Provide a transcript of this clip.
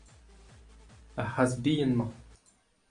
Ar c'hazh bihan-mañ.